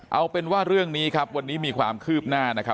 เอาเป็นว่าเรื่องนี้ครับวันนี้มีความคืบหน้านะครับ